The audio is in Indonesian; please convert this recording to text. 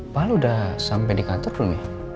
pak al sudah sampai di kantor belum ya